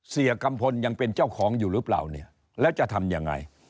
กัมพลยังเป็นเจ้าของอยู่หรือเปล่าเนี่ยแล้วจะทำยังไง